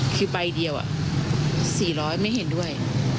คือใบเดียว๔๐๐ไม่เห็นด้วย